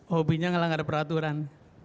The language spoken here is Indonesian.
hobinya ngelang ada peraturan